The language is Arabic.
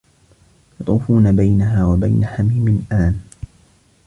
يَطوفونَ بَينَها وَبَينَ حَميمٍ آنٍ